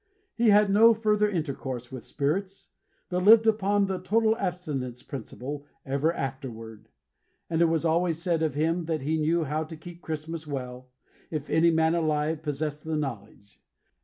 He had no further intercourse with Spirits, but lived upon the Total Abstinence Principle, ever afterward; and it was always said of him, that he knew how to keep Christmas well, if any man alive possessed the knowledge.